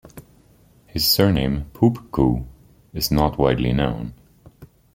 His surname, Poupko, is not widely known.